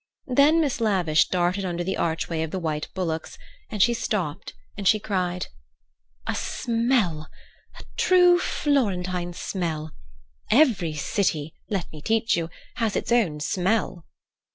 Then Miss Lavish darted under the archway of the white bullocks, and she stopped, and she cried: "A smell! a true Florentine smell! Every city, let me teach you, has its own smell."